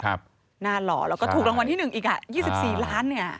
หน้าหล่อแล้วก็ถูกรางวัลที่๑อีกอ่ะ๒๔ล้านเนี่ย